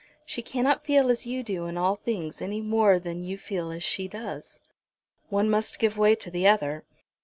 She cannot feel as you do in all things any more than you feel as she does." "One must give way to the other."